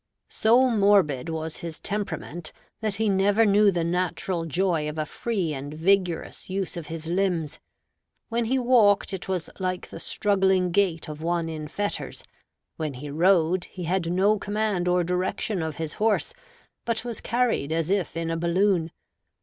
So morbid was his temperament that he never knew the natural joy of a free and vigorous use of his limbs; when he walked, it was like the struggling gait of one in fetters; when he rode, he had no command or direction of his horse, but was carried as if in a balloon.